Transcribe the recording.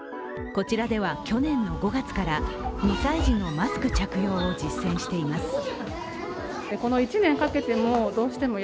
こちらでは去年の５月から２歳児のマスク着用を実践しています。